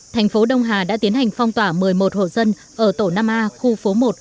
thành phố đông hà đã tiến hành phong tỏa một mươi một hộ dân ở tổ năm a khu phố một